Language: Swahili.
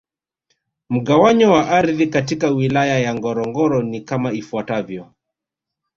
Mgawanyo wa ardhi katika Wilaya ya Ngorongoro ni kama ifuatavyo